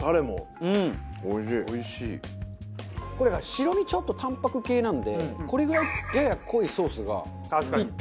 白身ちょっと淡泊系なのでこれぐらいやや濃いソースがぴったりですね。